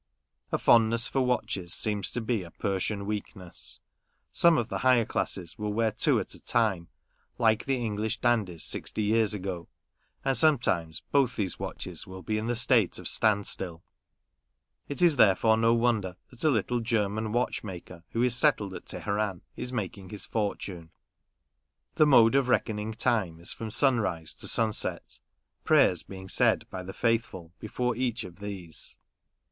A fondness for watches seems to be a Persian weakness ; some of the higher classes will wear two at a time, like the English dandies sixty years ago ; and some times both these watches will be in the state of stand still. It is therefore no wonder that a little German watchmaker, who is settled at Teheran, is making his fortune. The mode of reckoning time is from sunrise to sunset — prayers being said by the faithful before each of these.